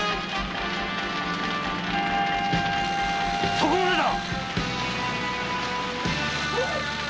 ・そこまでだ！